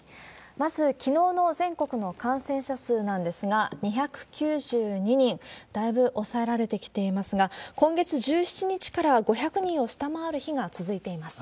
まず、きのうの全国の感染者数なんですが２９２人、だいぶ抑えられてきていますが、今月１７日から５００人を下回る日が続いています。